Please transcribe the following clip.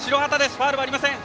ファウルはありません。